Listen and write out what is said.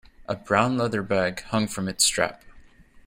A brown leather bag hung from its strap.